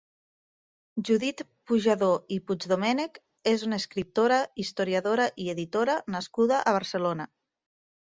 Judit Pujadó i Puigdomènech és una escriptora, historiadora i editora nascuda a Barcelona.